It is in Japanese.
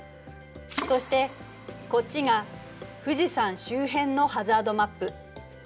そしてこっちが富士山周辺のハザードマップ。